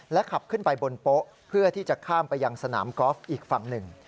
ขับขึ้นไปบนโป๊ะเพื่อที่จะข้ามไปยังสนามกอล์ฟอีกฝั่งหนึ่ง